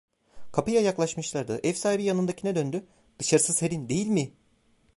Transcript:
Kapıya yaklaşmışlardı; ev sahibi yanındakine döndü: "Dışarısı serin değil mi?"